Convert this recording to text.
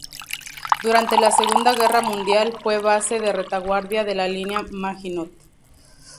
Durante la Segunda Guerra Mundial fue base de retaguardia de la Línea Maginot.